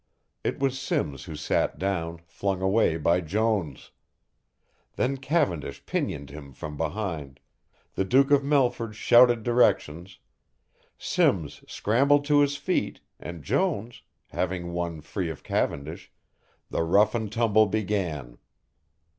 It was Simms who sat down, flung away by Jones. Then Cavendish pinioned him from behind, the Duke of Melford shouted directions, Simms scrambled to his feet, and Jones, having won free of Cavendish, the rough and tumble began.